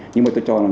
nhưng mà tôi cho là